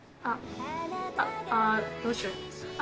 ああぁどうしよう。